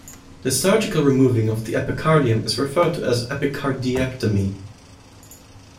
The surgical removing of the epicardium is referred to as epicardiectomy.